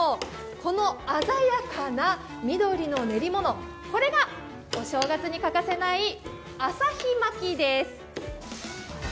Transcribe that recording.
この鮮やかな緑の練り物、これがお正月に欠かせない旭巻です。